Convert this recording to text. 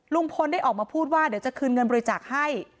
ลุงพลได้ออกมาพูดว่าเดี๋ยวจะคืนเงินบริจาคให้